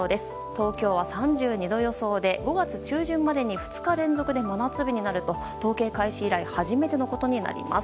東京は、３２度予想で５月中旬までに２日連続で真夏日になると統計開始以来初めてのことになります。